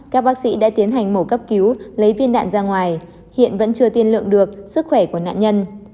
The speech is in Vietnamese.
các bác sĩ đã tiến hành mổ cấp cứu lấy viên đạn ra ngoài hiện vẫn chưa tiên lượng được sức khỏe của nạn nhân